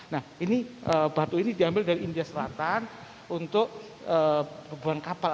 nah ini batu ini diambil dari india selatan untuk bebuan kapal